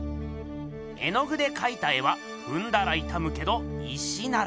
絵の具でかいた絵はふんだらいたむけど石なら。